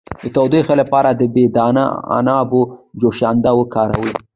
د ټوخي لپاره د بې دانه عنابو جوشانده وکاروئ